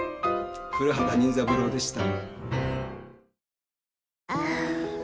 古畑任三郎でした。